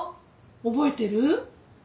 覚えてる？